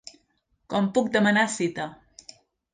Com puc demanar cita?